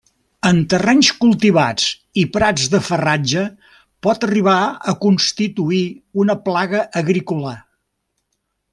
En terrenys cultivats i prats de farratge pot arribar a constituir una plaga agrícola.